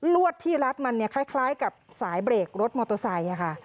ลวดที่รัดมันคล้ายกับสายเบรกรถมอเตอร์ไซค์